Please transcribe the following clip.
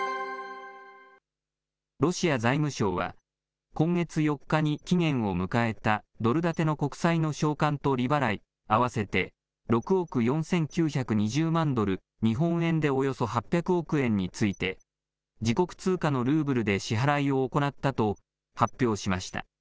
ロシア財務省は、今月４日に期限を迎えたドル建ての国債の償還と利払い、合わせて６億４９２０万ドル、日本円でおよそ８００億円について、自国通貨のルーブルで支払いを行ったと発表しました。